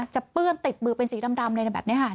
เปื้อนติดมือเป็นสีดำเลยแบบนี้ค่ะ